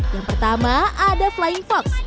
yang pertama ada flying fox